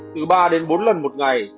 từ ba bốn lần một ngày